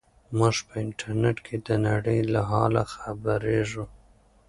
موږ په انټرنیټ کې د نړۍ له حاله خبریږو.